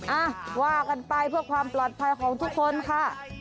อ่ะว่ากันไปเพื่อความปลอดภัยของทุกคนค่ะ